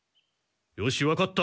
よしわかった。